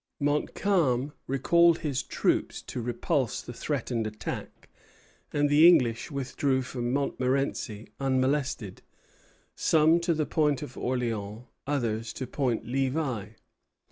Montcalm recalled his troops to repulse the threatened attack; and the English withdrew from Montmorenci unmolested, some to the Point of Orleans, others to Point Levi.